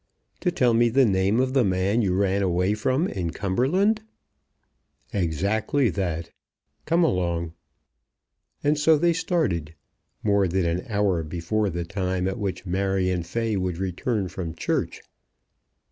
"To tell me the name of the man you ran away from in Cumberland?" "Exactly that; come along." And so they started, more than an hour before the time at which Marion Fay would return from church.